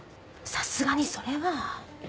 さすがにそれは。